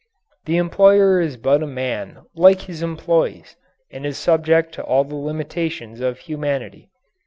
The employer is but a man like his employees and is subject to all the limitations of humanity.